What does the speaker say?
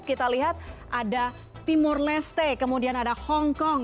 kita lihat ada timur leste kemudian ada hong kong